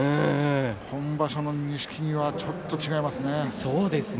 今場所の錦木はちょっと違います。